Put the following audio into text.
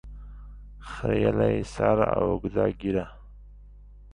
خریلي سر او اوږده ږیره